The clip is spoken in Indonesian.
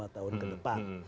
lima tahun ke depan